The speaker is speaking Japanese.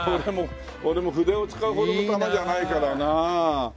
俺も筆を使うほどのたまじゃないからなあ。